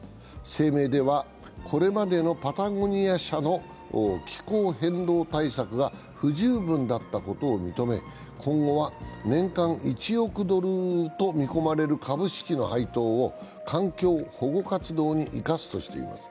声明では、これまでのパタゴニア社の気候変動対策が不十分だったことを認め今後は年間１億ドルと見込まれる株式の配当を環境保護活動に生かすとしています。